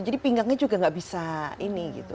jadi pinggangnya juga nggak bisa ini gitu